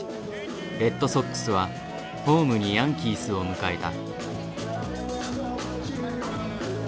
レッドソックスはホームにヤンキースを迎えた。